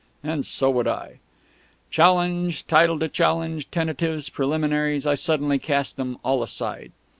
And so would I... Challenge, title to challenge, tentatives, preliminaries, I suddenly cast them all aside.